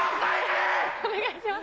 お願いします。